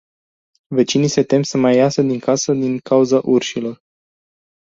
Vecinii se tem să mai iasă din casă din cauza urșilor.